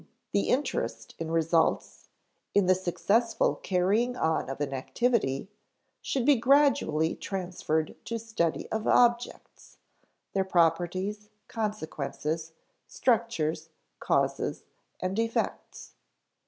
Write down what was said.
The interest in results, in the successful carrying on of an activity, should be gradually transferred to study of objects their properties, consequences, structures, causes, and effects.